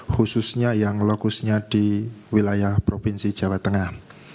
khususnya yang lokusnya di wilayah provinsi jawa tengah